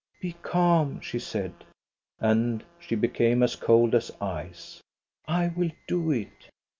" Be calm," she said. And she became as cold as ice. " I will do it."